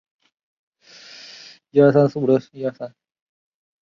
许多外国出版商在取得授权后翻译和发行外文版日本漫画。